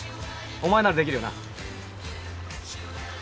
お前ならできるよな？